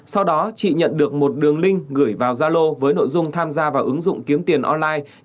sau đó chị nhận được một đường link gửi vào zalo với nội dung tham gia vào ứng dụng kiếm tiền online